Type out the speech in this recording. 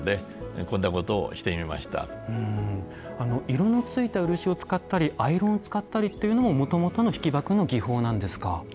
色のついた漆を使ったりアイロンを使ったりっていうのももともとの引箔の技法なんですか。